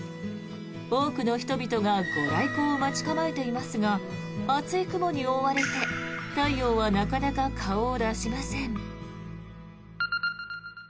多くの人々がご来光を待ち構えていますが厚い雲に覆われて太陽はなかなか顔を出しません。